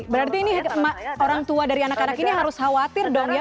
berarti ini orang tua dari anak anak ini harus khawatir dong ya